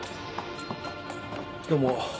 どうも。